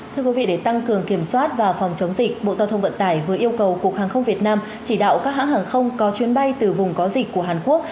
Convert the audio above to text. thưa quý vị để tăng cường kiểm soát và phòng chống dịch bộ giao thông vận tải vừa yêu cầu cục hàng không việt nam chỉ đạo các hãng hàng không có chuyến bay từ vùng có dịch của hàn quốc